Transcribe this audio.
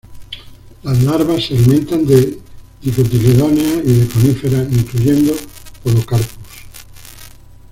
Las larvas se alimentan de dicotiledóneas y de coníferas incluyendo "Podocarpus".